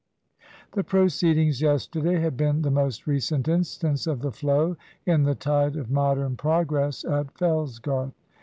The proceedings yesterday had been the most recent instance of the flow in the tide of Modern progress at Fellsgarth.